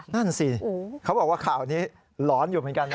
นั่นสิเขาบอกว่าข่าวนี้หลอนอยู่เหมือนกันนะ